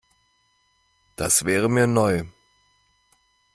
Das wäre mir neu.